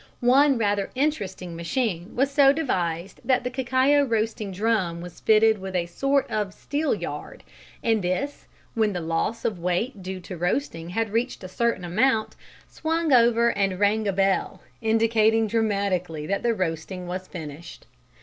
One rather interesting machine was so devised that the cacao roasting drum was fitted with a sort of steelyard, and this, when the loss of weight due to roasting had reached a certain amount, swung over and rang a bell, indicating dramatically that the roasting was finished.